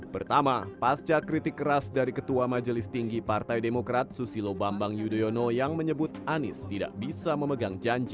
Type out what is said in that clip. pertama pasca kritik keras dari ketua majelis tinggi partai demokrat susilo bambang yudhoyono yang menyebut anies tidak bisa memegang janji